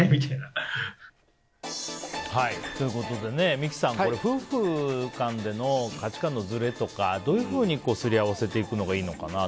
三木さん夫婦間での価値観のずれとかどういうふうにすり合わせていくのがいいかなと。